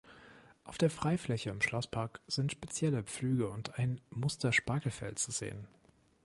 Auf der Freifläche im Schlosspark sind spezielle Pflüge und ein Muster-Spargelfeld zu sehen.